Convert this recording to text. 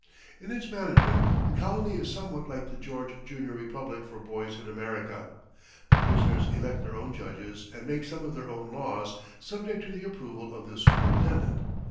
In its management, the colony is somewhat like the George Junior Republic for boys in America. The prisoners elect their own judges and make some of their own laws, subject to the approval of the superintendent.